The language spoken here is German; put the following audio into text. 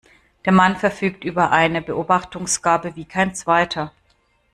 Der Mann verfügt über eine Beobachtungsgabe wie kein zweiter.